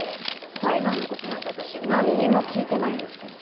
裁判の事なんて私なんにも聞いてないんですけど。